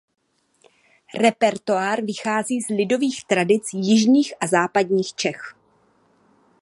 Repertoár vychází z lidových tradic jižních a západních Čech.